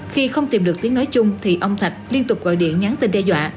khi không tìm được tiếng nói chung thì ông thạch liên tục gọi điện nhắn tin đe dọa